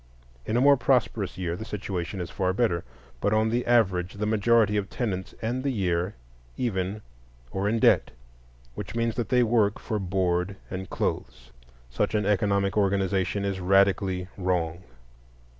In a more prosperous year the situation is far better; but on the average the majority of tenants end the year even, or in debt, which means that they work for board and clothes. Such an economic organization is radically wrong.